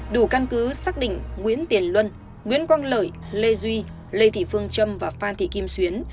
đủ căn cứ xác định nguyễn tiền luân nguyễn quang lợi lê duy lê thị phương trâm và phan thị kim xuyến